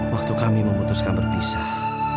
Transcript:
waktu kami memutuskan berpisah